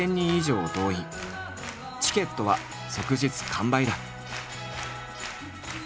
チケットは即日完売だ。